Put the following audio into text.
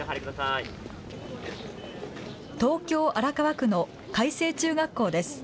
東京荒川区の開成中学校です。